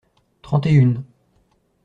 Trente et une.